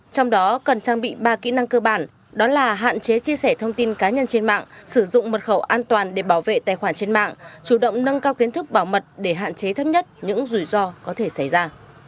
trong đó cần trang bị ba kỹ năng cơ bản đó là hạn chế chia sẻ thông tin cá nhân trên mạng sử dụng mật khẩu an toàn để bảo vệ tài khoản trên mạng chủ động nâng cao kiến thức bảo mật để hạn chế thấp nhất những rủi ro có thể xảy ra